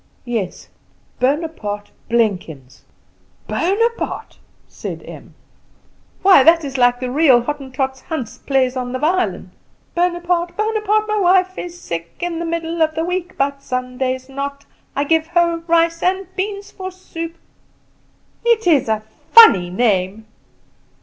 "Yes Bonaparte Blenkins." "Bonaparte!" said Em, "why that is like the reel Hottentot Hans plays on the violin 'Bonaparte, Bonaparte, my wife is sick; In the middle of the week, but Sundays not, I give her rice and beans for soup' It is a funny name."